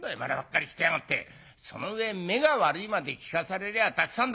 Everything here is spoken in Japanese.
その上目が悪いまで聞かされりゃたくさんだ」。